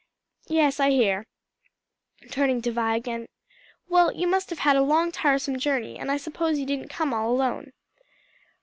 "Yes, I hear." Turning to Vi again, "Well, you must have had a long, tiresome journey; and I suppose you didn't come all alone?"